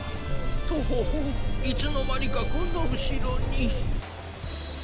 とほほいつのまにかこんなうしろに。